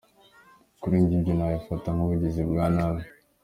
Kuri njye ibyo nabifata nk’ubugizi bwa nabi.